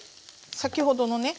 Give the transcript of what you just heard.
先ほどのね